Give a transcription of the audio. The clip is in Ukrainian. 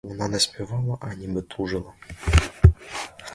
Вона не співала, а ніби тужила.